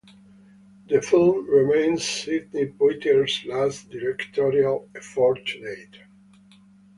The film remains Sidney Poitier's last directorial effort to date.